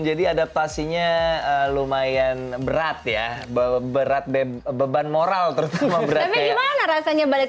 jadi adaptasinya lumayan berat ya berat beban moral terutama beratnya gimana rasanya balik